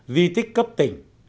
di tích cấp tỉnh